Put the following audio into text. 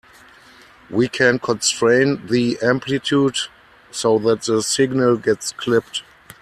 We can constrain the amplitude so that the signal gets clipped.